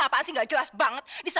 ngapain sih gakjelas banget nih